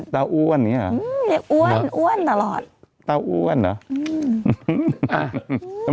เต้าอ้วนนี้เหรออืมเรียกอ้วนอ้วนตลอดเต้าอ้วนเหรออืม